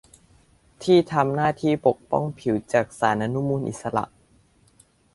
ที่ทำหน้าที่ปกป้องผิวจากสารอนุมูลอิสระ